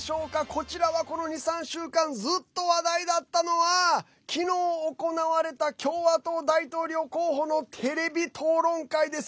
こちらは、この２３週間ずっと話題だったのは昨日、行われた共和党大統領候補のテレビ討論会です。